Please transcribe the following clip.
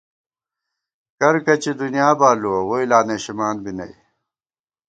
کرکچی دُنئا بالُوَہ، ووئی لا نَشِمان بی نئ